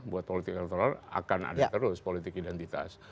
buat politik elektoral akan ada terus politik identitas